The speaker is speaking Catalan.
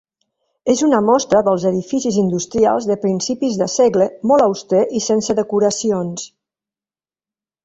És una mostra dels edificis industrials de principis de segle, molt auster i sense decoracions.